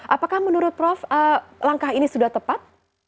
apakah menurut prof langkah ini sudah tepat